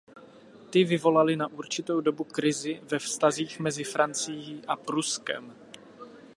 Ty vyvolaly na určitou dobu krizi ve vztazích mezi Francií a Pruskem.